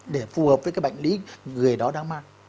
để phù hợp với cái bệnh lý người đó đang mang